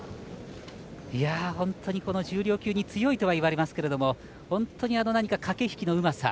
本当に重量級に強いとは言われますけれども本当に何か駆け引きのうまさ。